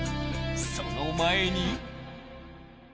［その前に］